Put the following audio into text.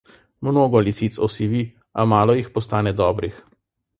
Mnogo lisic osivi, a malo jih postane dobrih.